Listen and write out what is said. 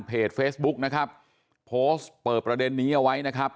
เฟซบุ๊กนะครับโพสต์เปิดประเด็นนี้เอาไว้นะครับ